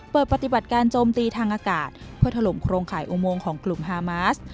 เปิดปฏิบัติการโจมตีทางอากาศเพื่อถล่มโครงข่ายอุโมงของกลุ่มฮามาส